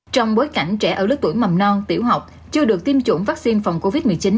trong bối cảnh trẻ ở lứa tuổi mầm non tiểu học chưa được tiêm chủng vaccine phòng covid một mươi chín